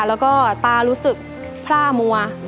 แล้วก็ตารู้สึกพร่ามัว